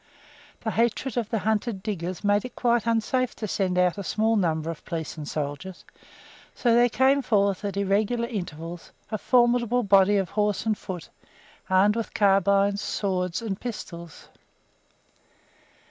The hatred of the hunted diggers made it quite unsafe to send out a small number of police and soldiers, so there came forth at irregular intervals a formidable body of horse and foot, armed with carbines, swords, and pistols.